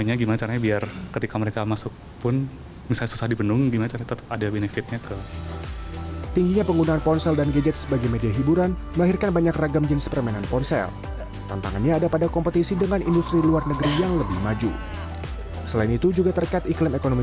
agate adalah perusahaan yang mencapai dua empat triliun